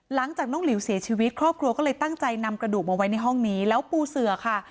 หลังจากน้องหลิวเสียชีวิตครอบครัวก็เลยตั้งใจนำกระดูกมาไว้ในห้องนี้แล้วปูเสือค่ะ